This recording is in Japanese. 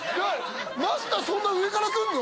マスターそんな上からくんの？